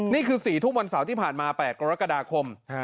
นี่คือ๔ทุ่มวันเสาร์ที่ผ่านมา๘กรกฎาคม